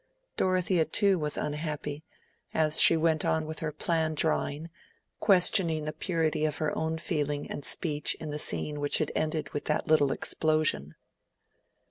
Dorothea too was unhappy, as she went on with her plan drawing, questioning the purity of her own feeling and speech in the scene which had ended with that little explosion.